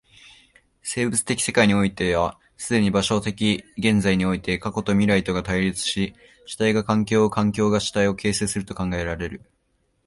生物的世界においては既に場所的現在において過去と未来とが対立し、主体が環境を、環境が主体を形成すると考えられる。